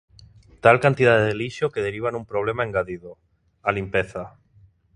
Tal cantidade de lixo que deriva nun problema engadido: a limpeza.